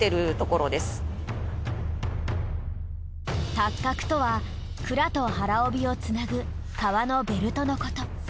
託革とは鞍と腹帯をつなぐ革のベルトのこと。